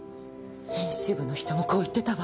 編集部の人もこう言ってたわ。